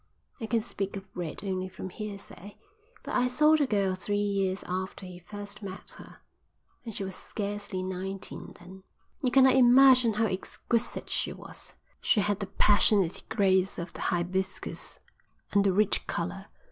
I can speak of Red only from hearsay, but I saw the girl three years after he first met her, and she was scarcely nineteen then. You cannot imagine how exquisite she was. She had the passionate grace of the hibiscus and the rich colour.